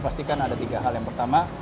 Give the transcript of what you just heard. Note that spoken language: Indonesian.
pastikan ada tiga hal yang pertama